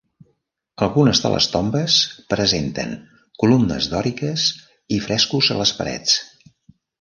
Algunes de les tombes presenten columnes dòriques i frescos a les parets.